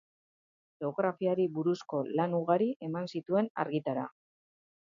Geografiari buruzko lan ugari eman zituen argitara.